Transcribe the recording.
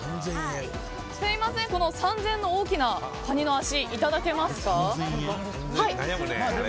すみません、３０００円の大きなか二の足をいただけますか。